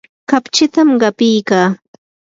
kapchitam qapikaa.